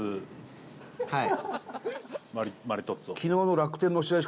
はい。